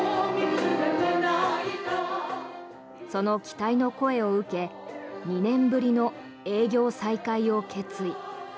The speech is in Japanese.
その期待の声を受け２年ぶりの営業再開を決意。